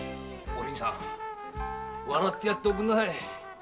お凛さん笑ってやっておくんなさい。